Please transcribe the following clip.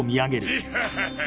ジハハハ！